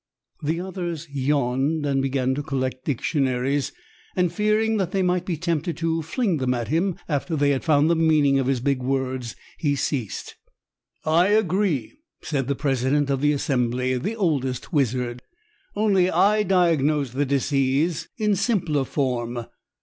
The others yawned and began to collect dictionaries, and fearing that they might be tempted to fling them at him after they had found the meaning of his big words, he ceased. "I agree," said the president of the assembly, the oldest wizard, "only I diagnose the disease in simpler form.